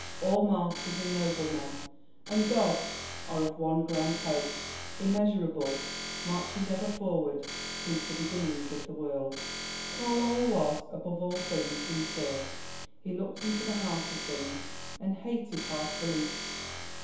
. all martyrs, and noble men, and gods are of one grand Host; immeasurable; marching ever forward since the beginnings of the World." [Footnote 5: Carlyle, Past and Present.] Carlyle was, above all things, sincere; he looked into the heart of things, and hated half beliefs.